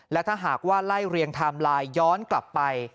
และถ้าหากว่าไล่เรียงไทม์ไลน์ย้อนกลับไป